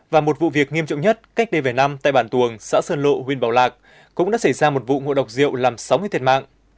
và một vụ việc nghiêm trọng nhất cách đây vài năm tại bản tuồng xã sơn lộ huyện bảo lạc cũng đã xảy ra một vụ ngộ độc rượu làm sáu người thiệt mạng